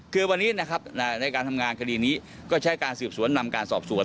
คือวันนี้นะครับในการทำงานคดีนี้ก็ใช้การสืบสวนนำการสอบสวน